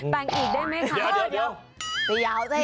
แต่งอีกได้ไหมคะ